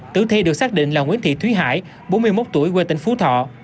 tử thi được xác định là nguyễn thị thúy hải bốn mươi một tuổi quê tỉnh phú thọ